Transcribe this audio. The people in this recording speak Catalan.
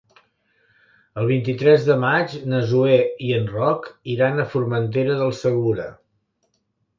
El vint-i-tres de maig na Zoè i en Roc iran a Formentera del Segura.